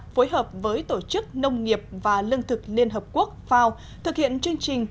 phối hợp với tổ chức nông nghiệp và lương thực liên hợp quốc fao thực hiện chương trình